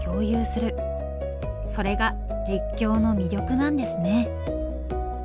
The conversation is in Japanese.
それが実況の魅力なんですね